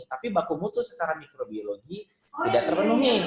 tapi baku mutu secara mikrobiologi tidak terpenuhi